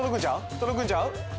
届くんちゃう？